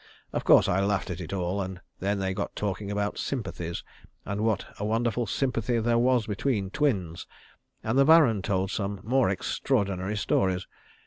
Of course I laughed at it all, and then they got talking about sympathies, and what a wonderful sympathy there was between twins, and the Baron told some more extraordinary stories.